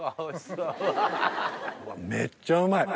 めっちゃうまい！